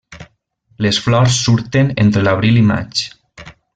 Les flors surten entre l'abril i maig.